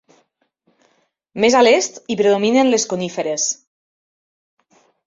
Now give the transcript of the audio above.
Més a l'est hi predominen les coníferes.